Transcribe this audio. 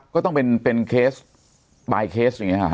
ก็ต้องเป็นเคสปลายเคสอย่างนี้หรอฮ